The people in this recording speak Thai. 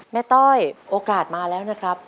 ต้อยโอกาสมาแล้วนะครับ